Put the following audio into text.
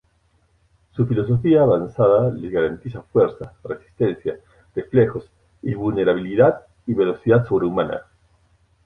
Su fisiología avanzada les garantiza fuerza, resistencia, reflejos, invulnerabilidad y velocidad sobrehumana.